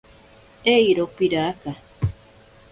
Eiro piraka.